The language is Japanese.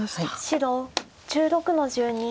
白１６の十二。